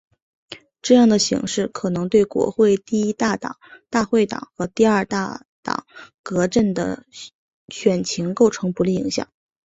这样的形势可能对国会第一大党大会党和第二大党革阵的选情构成不利影响。